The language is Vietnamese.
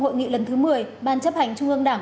hội nghị lần thứ một mươi ban chấp hành trung ương đảng